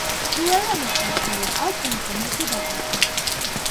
ფრუელა მოკლეს, ხოლო ალფონსო მეფედ აკურთხეს.